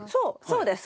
そうです